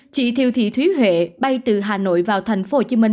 chị thiêu thị thúy huệ bay từ hà nội vào thành phố hồ chí minh